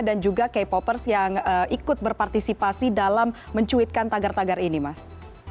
dan juga k popers yang ikut berpartisipasi dalam mencuitkan tagar tagar ini mas